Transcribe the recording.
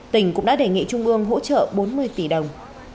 tỉnh cũng đã đề nghị trung ương hỗ trợ bốn mươi tỷ đồng